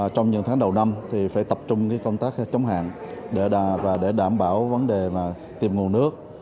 trong những tháng đầu năm thì phải tập trung cái công tác chống hạn để đảm bảo vấn đề mà tìm nguồn nước